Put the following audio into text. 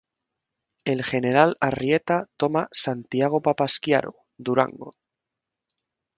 El general Arrieta toma Santiago Papasquiaro, Durango.